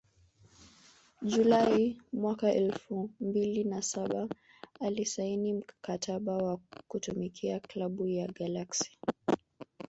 Julai mwaka elfu mbili na saba alisaini mkataba wa kuitumikia klabu ya La Galaxy